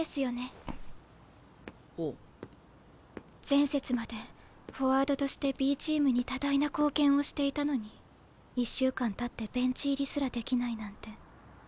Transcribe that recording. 前節までフォワードとしてＢチームに多大な貢献をしていたのに１週間たってベンチ入りすらできないなんて。